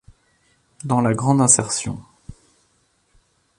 Dans la grande insertion.